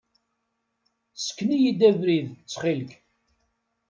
Ssken-iyi-d abrid ttxil-k.